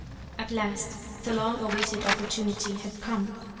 At last the long awaited opportunity had come.